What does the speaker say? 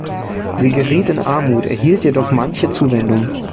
Sie geriet in Armut, erhielt jedoch manche Zuwendungen.